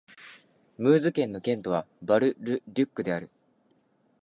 ムーズ県の県都はバル＝ル＝デュックである